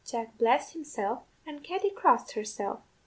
Jack blessed himself, and Katty crossed herself.